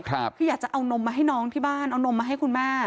คืออยากจะเอานมมาให้น้องที่บ้านเอานมมาให้คุณแม่